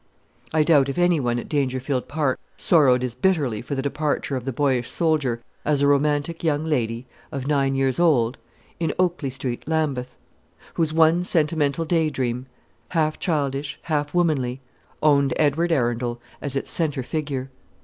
I doubt if any one at Dangerfield Park sorrowed as bitterly for the departure of the boyish soldier as a romantic young lady, of nine years old, in Oakley Street, Lambeth; whose one sentimental day dream half childish, half womanly owned Edward Arundel as its centre figure.